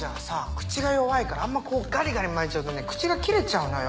口が弱いからあんまこうガリガリ巻いちゃうとね口が切れちゃうのよ。